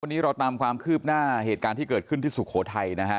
วันนี้เราตามความคืบหน้าเหตุการณ์ที่เกิดขึ้นที่สุโขทัยนะฮะ